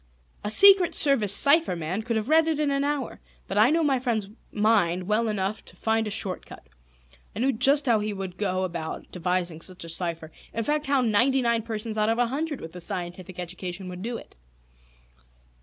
A Secret Service cipher man could have read it in an hour. But I knew my friend's mind well enough to find a short cut. I knew just how he would go about devising such a cipher, in fact, how ninety nine persons out of a hundred with a scientific education would do it.